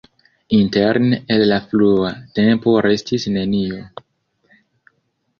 Interne el la frua tempo restis nenio.